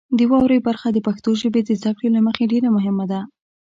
د واورئ برخه د پښتو ژبې د زده کړې له مخې ډیره مهمه ده.